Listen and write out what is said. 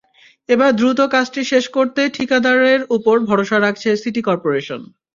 এবার দ্রুত কাজটি শেষ করতে ঠিকাদারদের ওপর ভরসা রাখছে সিটি করপোরেশন।